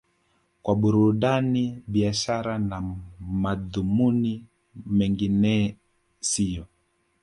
kwa burudani biashara na madhumuni mengine siyo